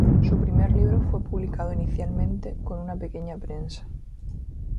Su primer libro fue publicado inicialmente con una pequeña prensa.